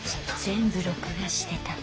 全部録画してた。